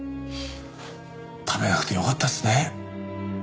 食べなくてよかったですね。